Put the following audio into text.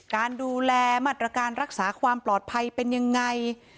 การดูแลมาตรการรักษาความปลอดภัยเป็นยังไง